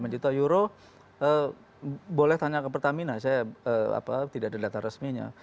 lima juta euro boleh tanya ke pertamina saya tidak ada data resminya